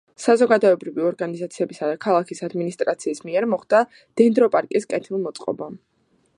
საზოგადოებრივი ორგანიზაციებისა და ქალაქის ადმინისტრაციის მიერ მოხდა დენდროპარკის კეთილმოწყობა.